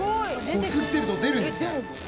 こすってると出るんですね。